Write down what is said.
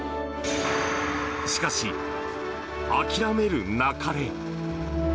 しかし諦めるなかれ。